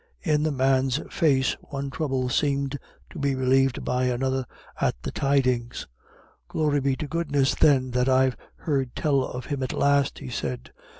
In the man's face one trouble seemed to be relieved by another at the tidings. "Glory be to goodness, then, that I've heard tell of him at last," he said.